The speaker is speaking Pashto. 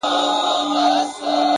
هوښیار انسان لومړی اوري،